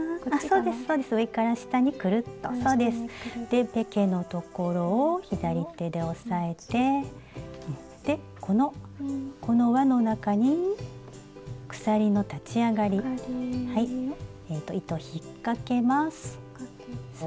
でペケのところを左手で押さえてでこのこのわの中に鎖の立ち上がり糸引っ掛けます。